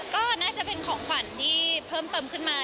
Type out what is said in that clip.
ก็น่าจะเป็นของขวัญที่เพิ่มเติมขึ้นมา